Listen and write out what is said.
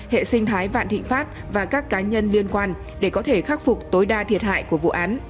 hệ sinh thái vạn thịnh pháp và các cá nhân liên quan để có thể khắc phục tối đa thiệt hại của vụ án